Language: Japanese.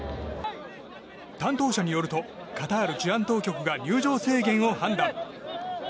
担当者によるとカタール治安当局が入場制限を判断。